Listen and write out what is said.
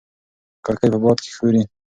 کړکۍ په باد کې ښوري.